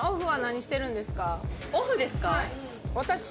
オフですか？